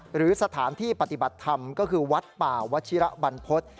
หรือสถานที่ปฏิบัติธรรมก็คือวัดป่าวัชิระบรรพฤษ